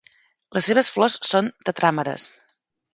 Les seves flors són tetràmeres.